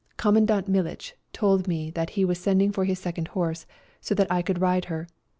Commandant Mihtch told me he was sending for his second horse, so that I could ride her.